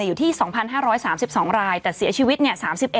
อยู่ที่๒๕๓๒รายแต่เสียชีวิต๓๑